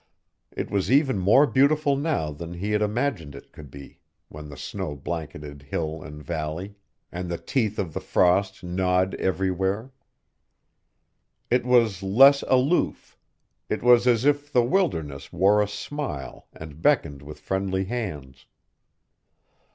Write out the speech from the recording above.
It was even more beautiful now than he had imagined it could be when the snow blanketed hill and valley, and the teeth of the frost gnawed everywhere. It was less aloof; it was as if the wilderness wore a smile and beckoned with friendly hands.